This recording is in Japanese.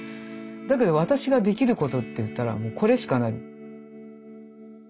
だけど私ができることっていったらこれしかない。